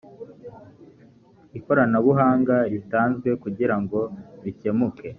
ikoranabuhanga ritanzwe kugira ngo bikemuke